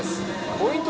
ポイント